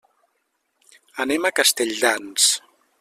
Anem a Castelldans.